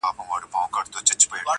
نن یو امر او فرمان صادرومه-